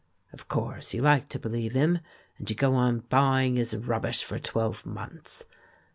Of course you like to believe him, and you go on buying his rubbish for twelve months.